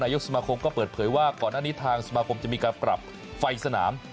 ยกสมาคมก็เปิดเผยว่าก่อนหน้านี้ทางสมาคมจะมีการปรับไฟสนาม